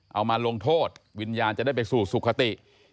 เอามาลงโทษวิญญาณจะได้ไปสู่สุขติ